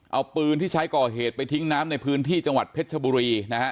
เอาปืนที่ใช้ก่อเหตุไปทิ้งน้ำในพื้นที่จังหวัดเพชรชบุรีนะฮะ